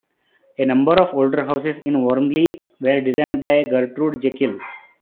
A number of the older houses in Wormley were designed by Gertrude Jekyll.